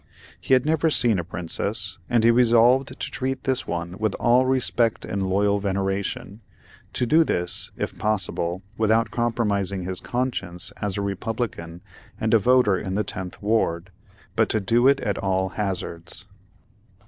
He had never seen a princess, and he resolved to treat this one with all respect and loyal veneration; to do this, if possible, without compromising his conscience as a republican and a voter in the tenth ward,—but to do it at all hazards.